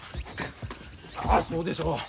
ああそうでしょう。